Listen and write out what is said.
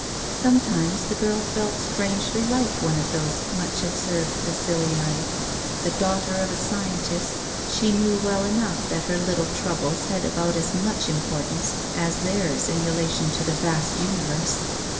Sometimes the girl felt strangely like one of those much observed bacilli ; the daughter of a scientist, she knew well enough that her little troubles had about as much importance as theirs in rela tion to the vast universe.